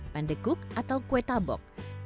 pandekuk atau kuetabok